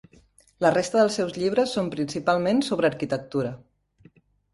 La resta dels seus llibres són principalment sobre arquitectura.